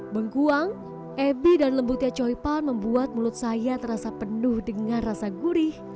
bengkuang ebi dan lembutnya choy pan membuat mulut saya terasa penuh dengan rasa gurih